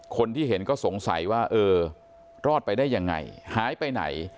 คนที่เห็นก็สงสัยว่าเออรอดไปได้ยังไงหายไปไหน